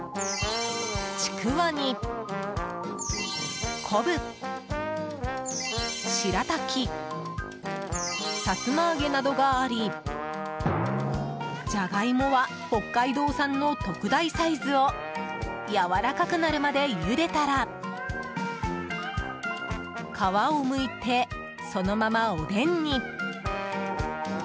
ちくわに、こぶしらたき、さつまあげなどがありじゃがいもは北海道産の特大サイズをやわらかくなるまでゆでたら皮をむいて、そのままおでんに。